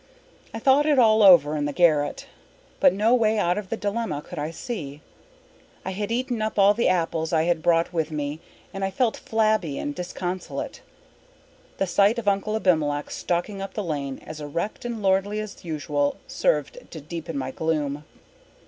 I thought it all over in the garret. But no way out of the dilemma could I see. I had eaten up all the apples I had brought with me and I felt flabby and disconsolate. The sight of Uncle Abimelech stalking up the lane, as erect and lordly as usual, served to deepen my gloom.